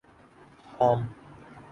عام